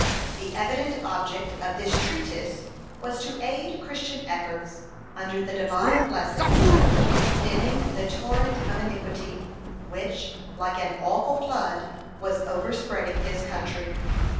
The evident object of this treatise was to aid Christian efforts, under the Divine blessing, in stemming the torrent of iniquity, which, like an awful flood, was overspreading this country.